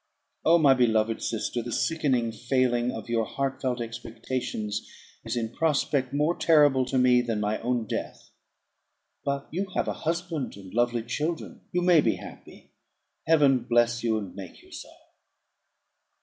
Oh! my beloved sister, the sickening failing of your heart felt expectations is, in prospect, more terrible to me than my own death. But you have a husband, and lovely children; you may be happy: Heaven bless you, and make you so!